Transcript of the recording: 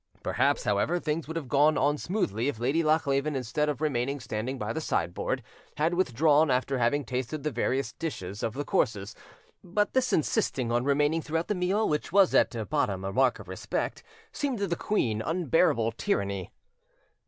Perhaps, however, things would have gone on smoothly if Lady Lochleven, instead of remaining standing by the sideboard, had withdrawn after having tasted the various dishes of the courses; but this insisting on remaining throughout the meal, which was at bottom a mark of respect, seemed to the queen unbearable tyranny.